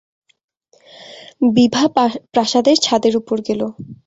বিভা প্রাসাদের ছাদের উপর গেল।